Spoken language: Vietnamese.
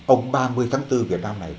ông ba mươi tháng bốn việt nam này